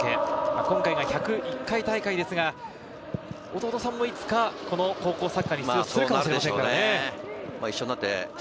今回が１０１回大会ですが、弟さんもいつかこの高校サッカーに出場するかもしれないですからね。